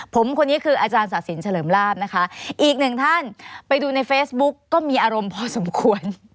ผมคนนี้คืออาจารย์ศาสินเฉลิมลาบนะคะอีกหนึ่งท่านไปดูในเฟซบุ๊กก็มีอารมณ์พอสมควร